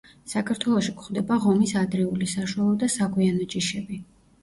საქართველოში გვხვდება ღომის ადრეული, საშუალო და საგვიანო ჯიშები.